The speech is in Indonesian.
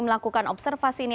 melakukan observasi ini